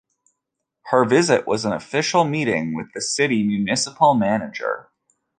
Her visit was an official meeting with the city municipal manager.